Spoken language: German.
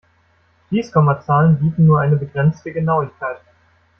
Fließkommazahlen bieten nur eine begrenzte Genauigkeit.